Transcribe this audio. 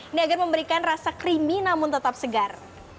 ini agar memberikan rasa creamy namun tetap segar